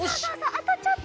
あとちょっと。